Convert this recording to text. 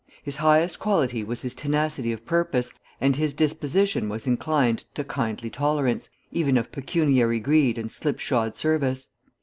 His highest quality was his tenacity of purpose, and his disposition was inclined to kindly tolerance, even of pecuniary greed and slipshod service.